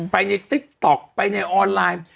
ไปในติ๊กต๊อกไปในออนไลน์